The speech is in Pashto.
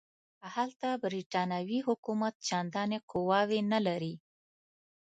هلته برټانوي حکومت چنداني قواوې نه لري.